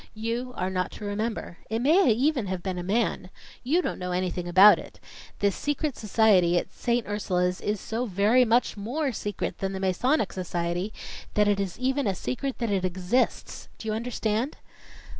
You are not to remember. It may even have been a man. You don't know anything about it. This secret society at Saint Ursula's is so very much more secret than the Masonic Society, that it is even a secret that it exists. Do you understand?"